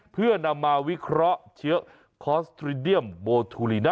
เพื่อนำมาวิเคราะห์เชื้อคอสตรีเดียมโบทูลิน่า